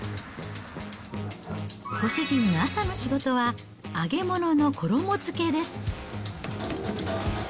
ご主人の朝の仕事は、揚げ物の衣づけです。